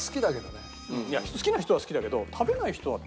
いや好きな人は好きだけど。